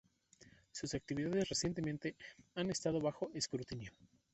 Sus actividades recientemente han estado bajo escrutinio.